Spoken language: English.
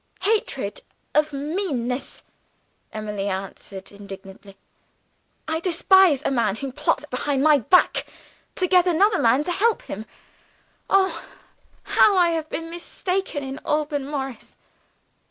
"Hatred of meanness!" Emily answered indignantly. "I despise a man who plots, behind my back, to get another man to help him. Oh, how I have been mistaken in Alban Morris!"